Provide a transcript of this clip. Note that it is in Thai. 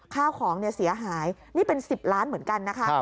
ค่าของเสียหายนี่เป็น๑๐ร้านเหมือนกัน